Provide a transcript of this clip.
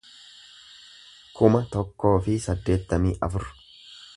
kuma tokkoo fi saddeettamii afur